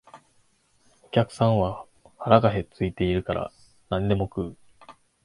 お客さんは腹が空いているから何でも食う